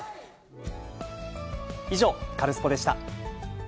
以上、カルスポっ！でした。